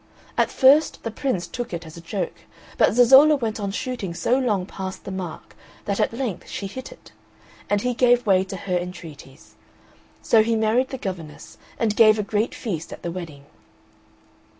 At first the Prince took it as a joke, but Zezolla went on shooting so long past the mark that at length she hit it, and he gave way to her entreaties. So he married the governess, and gave a great feast at the wedding.